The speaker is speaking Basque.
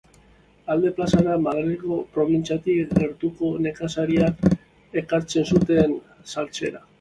Alea plazara Madrilgo probintziatik gertuko nekazariak ekartzen zuten saltzera.